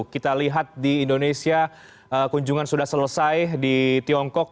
kita lihat di indonesia kunjungan sudah selesai di tiongkok